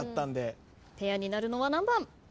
ペアになるのは何番？